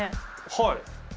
はい。